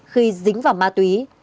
khi dính vào mạ tí